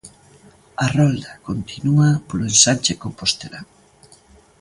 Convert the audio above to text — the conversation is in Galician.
A rolda continúa polo ensanche compostelán.